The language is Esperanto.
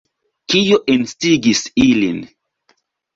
Kio instigis ilin?